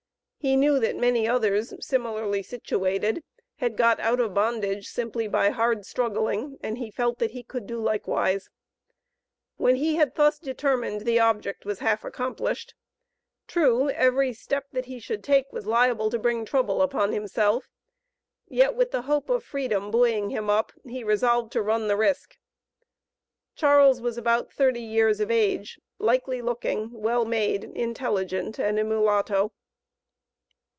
He knew that many others similarly situated had got out of bondage simply by hard struggling, and he felt that he could do likewise. When he had thus determined the object was half accomplished. True, every step that he should take was liable to bring trouble upon himself, yet with the hope of freedom buoying him up he resolved to run the risk. Charles was about thirty years of age, likely looking, well made, intelligent, and a mulatto.